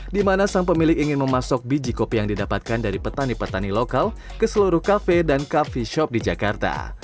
di mana sang pemilik ingin memasuk biji kopi yang didapatkan dari petani petani lokal ke seluruh kafe dan coffee shop di jakarta